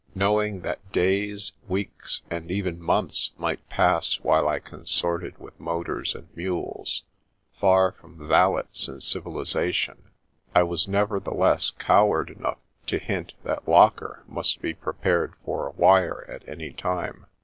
Knowing that days, weeks, and even months might pass while I consorted with motors and mules, far from valets and civilisation, I was nevertheless coward enough to hint that Locker must be pre pared for a wire at any time.